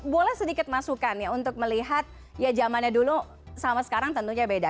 boleh sedikit masukan ya untuk melihat ya zamannya dulu sama sekarang tentunya beda